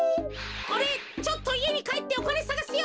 おれちょっといえにかえっておかねさがすよ。